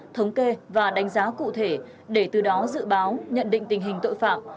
thống kê và đánh giá cụ thể để từ đó dự báo nhận định tình hình tội phạm